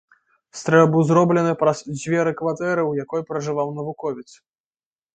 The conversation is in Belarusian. Стрэл быў зроблены праз дзверы кватэры, у якой пражываў навуковец.